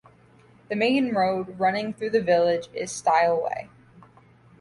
The main road running through the village is Stile Way.